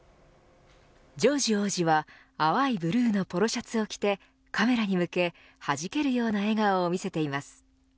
ジョージ王子は淡いブルーのポロシャツを着てカメラに向け、はじけるような笑顔を見せています。